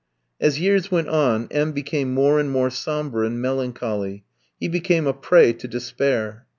As years went on M tski became more and more sombre and melancholy; he became a prey to despair.